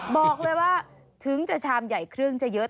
บอกเลยว่าถึงจะชามใหญ่เครื่องจะเยอะ